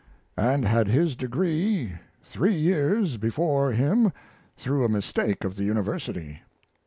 and had his degree three years before him through a mistake of the University."